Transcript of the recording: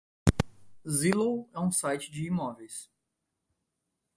Zillow é um site de imóveis.